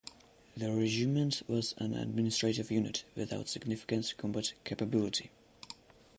The Regiment was an administrative unit without significant combat capability.